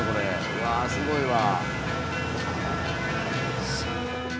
うわすごいわ。